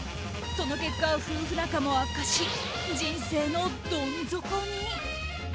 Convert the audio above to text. その結果、夫婦仲も悪化し人生のどん底に。